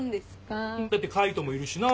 だって海斗もいるしなぁ。